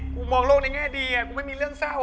กูมองโลกได้แน่ดีกว่าไม่มีเรื่องเศร้า